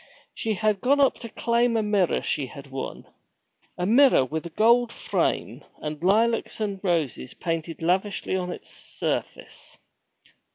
She had gone up to claim a mirror she had won a mirror with a gold frame, and lilacs and roses painted lavishly on its surface.